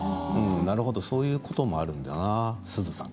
なるほどそういうこともあるんだな。